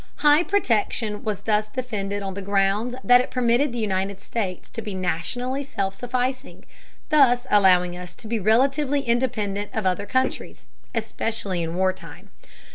High protection was thus defended on the grounds that it permitted the United States to be nationally self sufficing, thus allowing us to be relatively independent of other countries, especially in war time.